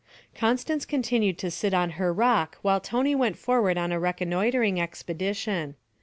Constance continued to sit on her rock while Tony went forward on a reconnoitring expedition.